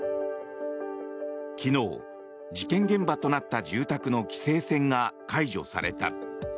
昨日、事件現場となった住宅の規制線が解除された。